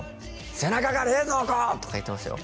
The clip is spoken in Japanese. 背中が冷蔵庫とか言ってましたよ